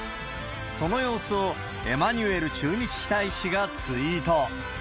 その様子をエマニュエル駐日大使がツイート。